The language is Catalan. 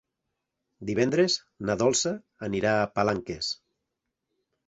Divendres na Dolça anirà a Palanques.